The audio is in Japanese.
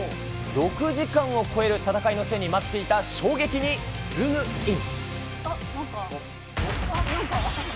６時間を超える戦いの末に待っていた衝撃にズームイン！！